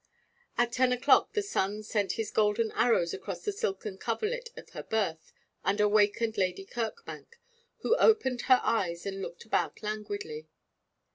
At ten o'clock the sun sent his golden arrows across the silken coverlet of her berth and awakened Lady Kirkbank, who opened her eyes and looked about languidly.